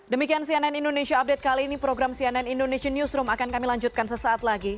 demikian cnn indonesia update kali ini program cnn indonesia newsroom akan kami lanjutkan sesaat lagi